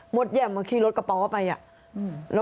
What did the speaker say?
หมดแย่มมาขี้รถกระป๋อไปอืม